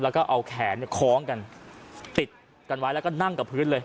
แล้วก็เอาแขนเนี่ยคล้องกันติดกันไว้แล้วก็นั่งกับพื้นเลย